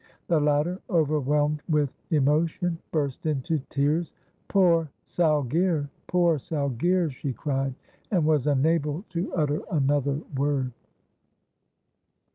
The latter, overwhelmed with emotion, burst into tears: "Poor Salghir! poor Salghir!" she cried, and was unable to utter another word.